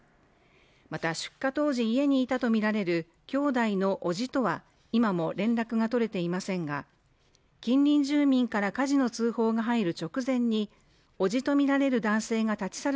また出火当時家にいたとみられる兄弟のおじとは今も連絡が取れていませんが近隣住民から火事の通報が入る直前におじと見られる男性が立ち去る